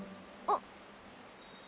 あっ。